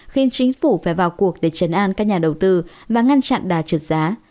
khiến chính phủ phải vào cuộc để chấn an các nhà đầu tư và ngăn chặn đà trượt giá